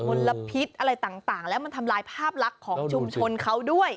ลพิษอะไรต่างแล้วมันทำลายภาพลักษณ์ของชุมชนเขาด้วย